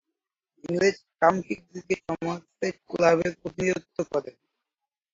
ইংরেজ কাউন্টি ক্রিকেটে সমারসেট ক্লাবের প্রতিনিধিত্ব করেন।